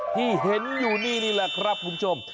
ที่เห็นอยู่นี่นี่แหละครับคุณผู้ชม